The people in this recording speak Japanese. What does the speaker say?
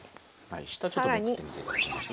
下ちょっとめくってみていただけます？